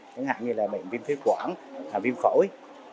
chẳng hạn như là bệnh viêm phế quản viêm phổi